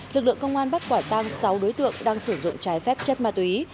lực lượng công an bắt quả tang sáu đối tượng đang sử dụng trái phép chất ma túy